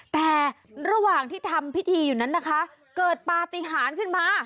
แต่ระหว่างที่ทำพิธีอยู่นั้นนะคะเกิดปฏิหารขึ้นมา